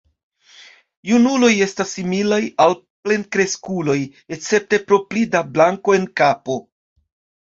Junuloj estas similaj al plenkreskuloj escepte pro pli da blanko en kapo.